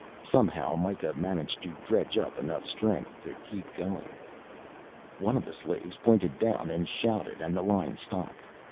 Somehow Mikah managed to dredge up enough strength to keep going. One of the slaves pointed down and shouted and the line stopped.